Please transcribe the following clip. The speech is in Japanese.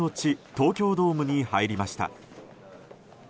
東京ドームに入りました。